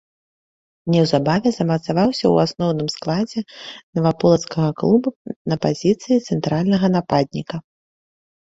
Неўзабаве замацаваўся ў асноўным складзе наваполацкага клуба на пазіцыі цэнтральнага нападніка.